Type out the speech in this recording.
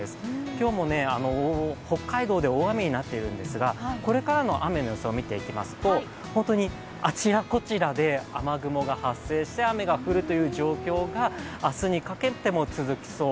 今日も北海道で大雨になっているんですが、これからの雨の予想を見ていきますと本当にあちらこちらで雨雲が発生して雨が降るという状況が明日にかけても続きそう。